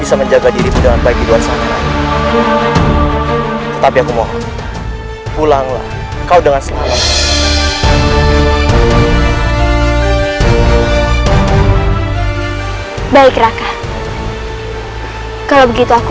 assalamualaikum warahmatullahi wabarakatuh